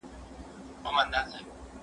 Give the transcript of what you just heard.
زه اجازه لرم چي پوښتنه وکړم؟!